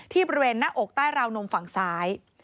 บริเวณหน้าอกใต้ราวนมฝั่งซ้าย